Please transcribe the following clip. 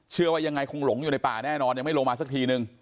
เชื่อว่ายังไงคงหลงอยู่ในป่าแน่นอนยังไม่ลงมาสักทีนึง